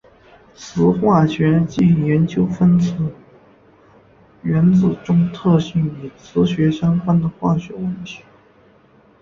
磁化学即研究分子原子中特性与磁学相关的化学问题。